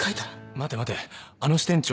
待て待てあの支店長